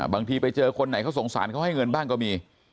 ไปเจอคนไหนเขาสงสารเขาให้เงินบ้างก็มี